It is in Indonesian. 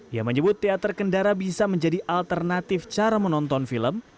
ia menyebut teater kendara bisa menjadi alternatif cara menonton film